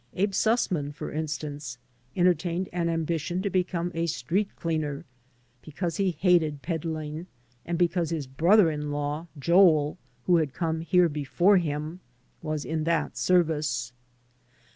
Abe Sussman, for instance, entertained an ambition to become a street cleaner because he hated peddling and because his brother in law, Joel, who had come here before him, was in that service.